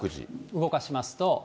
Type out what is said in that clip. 動かしますと。